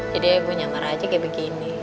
jadi gue nyamper aja kayak begini